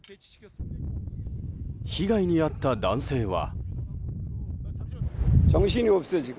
被害に遭った男性は。